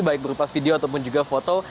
baik berupa video ataupun juga foto